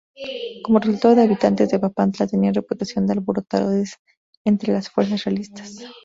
Como resultado los habitantes de Papantla tenían reputación de alborotadores entre las fuerzas realistas.